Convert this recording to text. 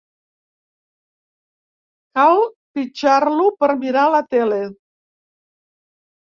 Cal pitjar-lo per mirar la tele.